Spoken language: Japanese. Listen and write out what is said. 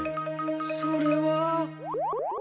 それは。